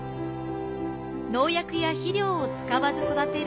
農薬や肥料を使わず育てる